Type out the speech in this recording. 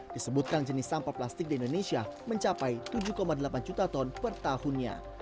disebutkan jenis sampah plastik di indonesia mencapai tujuh delapan juta ton per tahunnya